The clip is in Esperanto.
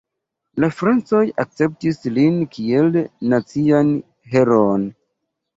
La francoj akceptis lin kiel nacian heroon.